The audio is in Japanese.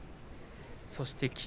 そして霧